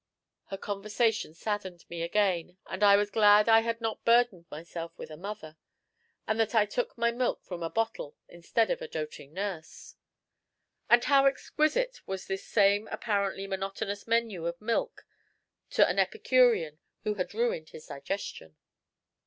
Her conversation saddened me again, and I was glad I had not burdened myself with a mother, and that I took my milk from a bottle instead of a doting nurse. And how exquisite was this same apparently monotonous menu of milk to an epicurean who had ruined his digestion!